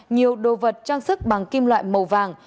nhiều đồ vật trang sức bằng kim loại màu vàng